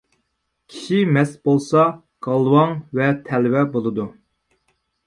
كىشى مەست بولسا گالۋاڭ ۋە تەلۋە بولىدۇ.